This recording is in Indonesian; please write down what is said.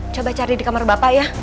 coba cari di kamar bapak ya